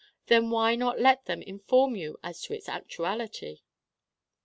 Then why not let them inform you as to its actuality?